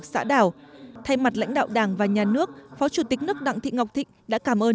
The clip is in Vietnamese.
xã đảo thay mặt lãnh đạo đảng và nhà nước phó chủ tịch nước đặng thị ngọc thịnh đã cảm ơn